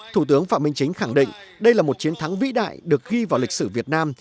thủ tướng phạm minh chính khẳng định đây là một chiến thắng vĩ đại được ghi vào lịch sử việt nam